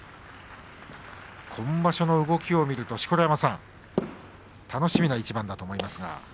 今場所の動きを見ると錣山さん楽しみな一番だと思いますが。